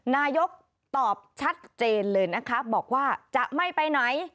นายกตอบชัดเจนเลยนะคะบอกว่าจะไม่ไปไหน